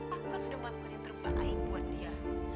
aku kan sudah melakukan yang terbaik buat dia